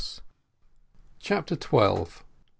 CHAPTER TWELVE.